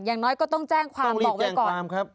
อย่างน้อยก็ต้องแจ้งความบอกไว้ก่อน